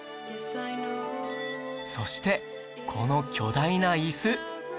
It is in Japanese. そしてこの巨大な椅子